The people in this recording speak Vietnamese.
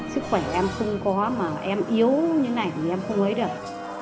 sức khỏe em không có mà em yếu như thế này thì em không lấy được